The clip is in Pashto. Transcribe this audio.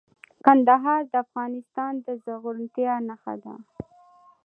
کندهار د افغانستان د زرغونتیا نښه ده.